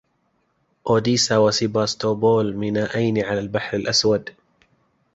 اوديسا و سيباستوبول مينائين على البحر الأسود.